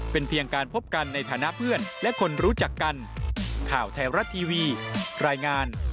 เป็นเพียงการพบกันในฐานะเพื่อนและคนรู้จักกัน